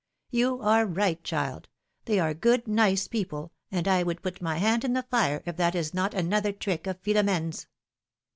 ^^ You are right, child; they are good, nice people, and I would put my hand in the fire, if that is not another trick of Philom^ne^s.